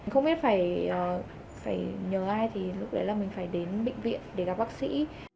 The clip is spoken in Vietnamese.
không biết phải nhờ ai thì lúc đấy là mình phải đến bệnh viện để gặp bác sĩ